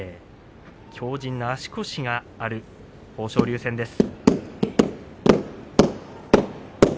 強じんな足腰がある豊昇龍戦です。